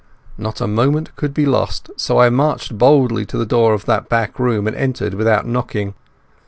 Not a moment could be lost, so I marched boldly to the door of that back room and entered without knocking.